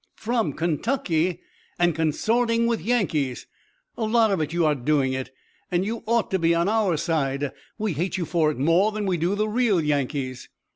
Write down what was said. "From Kentucky and consorting with Yankees! A lot of you are doing it, and you ought to be on our side! We hate you for it more than we do the real Yankees!"